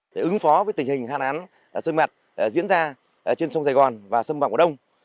để ứng phó với tình hình hạn án sơn mặt diễn ra trên sông sài gòn và sông vàm cỏ đông